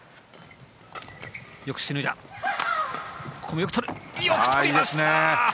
よくとりました！